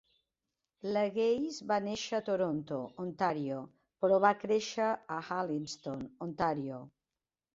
Legace va néixer a Toronto, Ontario, però va créixer a Alliston, Ontario.